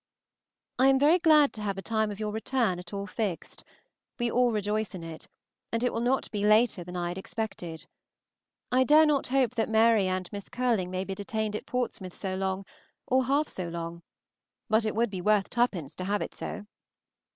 I am very glad to have the time of your return at all fixed; we all rejoice in it, and it will not be later than I had expected. I dare not hope that Mary and Miss Curling may be detained at Portsmouth so long or half so long; but it would be worth twopence to have it so.